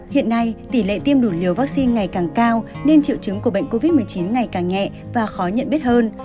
hiện nay tỷ lệ tiêm đủ liều vaccine ngày càng cao nên triệu chứng của bệnh covid một mươi chín ngày càng nhẹ và khó nhận biết hơn